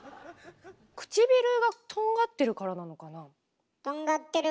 くちびるがとんがってるからなのかな。